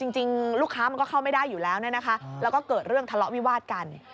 จริงลูกค้ามันก็เข้าไม่ได้อยู่แล้วนะคะแล้วก็เกิดเรื่องทะเลาะวิวาดกัน